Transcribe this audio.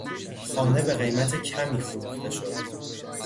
خانه به قیمت کمی فروخته شد.